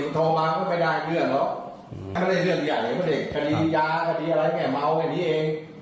ก็ได้เรื่องใหญ่เหลือพ่อเด็กคดียาคดีอะไรคดีแมวคดีเอง